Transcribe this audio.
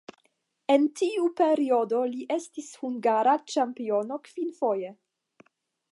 En tiu periodo li estis hungara ĉampiono kvinfoje.